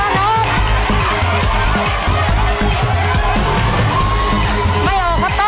จะได้โบนัสกลับไปบ้านเท่าไร